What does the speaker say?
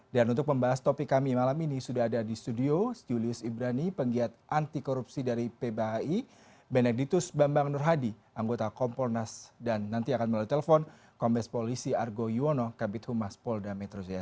dan untuk membahas topik kami malam ini sudah ada di studio julius ibrani penggiat anti korupsi dari pbhi beneditus bambang nurhadi anggota kompornas dan nanti akan melalui telepon kompens polisi argo yuwono kabit humas polda metro jaya